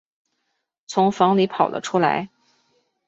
从房里跑了出来